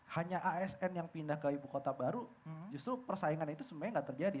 hanya asn yang pindah ke ibu kota baru justru persaingan itu sebenarnya nggak terjadi